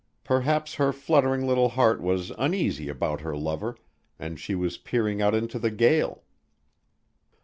Perhaps her fluttering little heart was uneasy about her lover, and she was peering out into the gale.